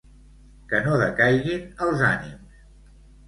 Que no decaiguin els ànims!